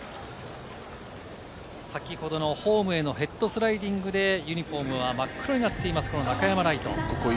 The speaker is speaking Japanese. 先ほどのホームへのヘッドスライディングでユニホームは真っ黒になっています、中山礼都。